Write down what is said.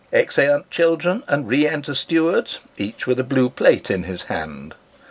Exeunt children, and re enter stewards, each with a blue plate in his hand.